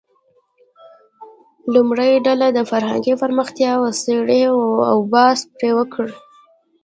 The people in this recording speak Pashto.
لومړۍ ډله دې فرهنګي پرمختیاوې وڅېړي او بحث پرې وکړي.